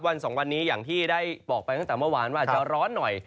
สองวันนี้อย่างที่ได้บอกไปตั้งแต่เมื่อวานว่าอาจจะร้อนหน่อย